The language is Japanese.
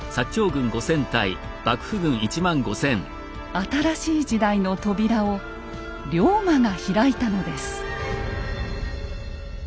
新しい時代の扉を龍馬が開いたのです。